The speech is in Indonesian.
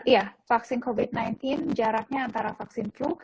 iya vaksin covid sembilan belas jaraknya antara vaksin flu